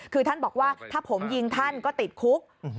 คือท่านบอกว่าถ้าผมยิงท่านก็ติดคุก